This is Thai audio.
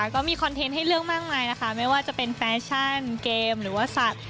คอนเทนต์ให้เลือกมากมายนะคะไม่ว่าจะเป็นแฟชั่นเกมหรือว่าสัตว์